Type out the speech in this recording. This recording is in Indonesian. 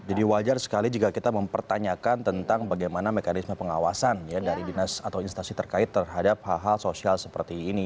jadi wajar sekali jika kita mempertanyakan tentang bagaimana mekanisme pengawasan dari dinas atau instasi terkait terhadap hal hal sosial seperti ini